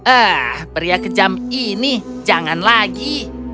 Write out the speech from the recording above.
ah pria kejam ini jangan lagi